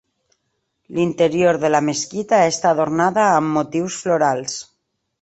L'interior de la mesquita està adornada amb motius florals.